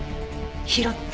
拾った？